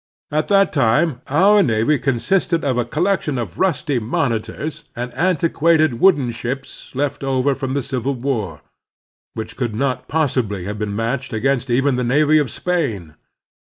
At that time our navy consisted of a collection of rusty monitors and antiquated wooden ships left over from the Civil War, which could not possibly have been matched against even the navy of Spain.